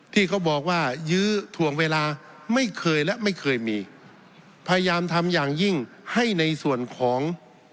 ที่เขาบอกว่ายื้อถ่วงเวลาไม่เคยและไม่เคยมีพยายามทำอย่างยิ่งให้ในส่วนของ